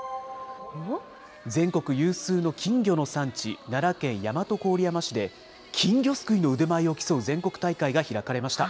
全国有数の金魚の産地、奈良県大和郡山市で、金魚すくいの腕前を競う全国大会が開かれました。